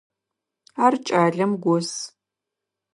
Ар кӏалэм гос.